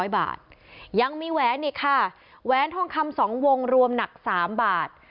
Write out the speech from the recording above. ๑๕๖๐๐บาทยังมีแว้นเนี่ยค่ะแว้นท่องคำสองวงรวมหนักสามบาท